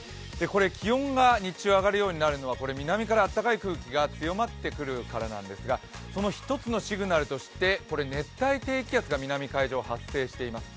気温が日中上がるようになるのは南から暖かい空気が強まってくるからなんですがその一つのシグナルとして熱帯低気圧が南海上、発生しています。